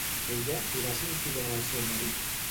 Ella li va ser infidel al seu marit?